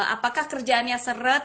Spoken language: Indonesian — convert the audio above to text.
apakah kerjaannya seret